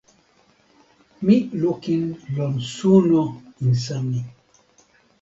mi lukin lon suno insa mi.